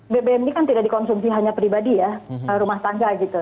bbm ini kan tidak dikonsumsi hanya pribadi ya rumah tangga gitu